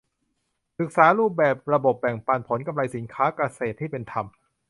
ศึกษารูปแบบระบบแบ่งปันผลกำไรสินค้าเกษตรที่เป็นธรรม